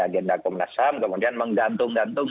agenda komnas ham kemudian menggantung gantung